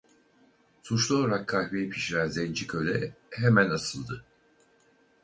Suçlu olarak kahveyi pişiren zenci köle hemen asıldı.